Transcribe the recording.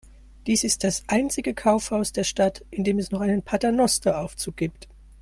Dies ist das einzige Kaufhaus der Stadt, in dem es noch einen Paternosteraufzug gibt.